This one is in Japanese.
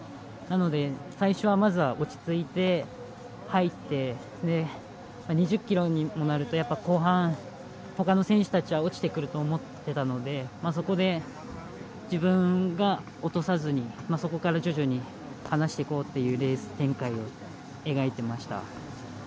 なので、最初はまずは落ち着いて入って２０ｋｍになると後半ほかの選手たちは落ちてくると思っていたのでそこで、自分が落とさずにそこから徐々に離していこうっていうレース展開を描いてました。